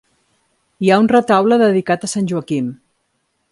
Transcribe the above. Hi ha un retaule dedicat a Sant Joaquim.